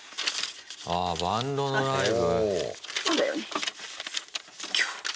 ああ、バンドのライブ。